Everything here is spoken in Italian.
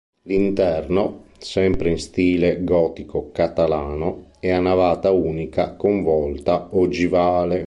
L'interno, sempre in stile gotico-catalano, è a navata unica con volta ogivale.